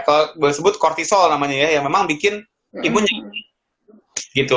kalau boleh disebut kortisol namanya ya yang memang bikin imunnya gitu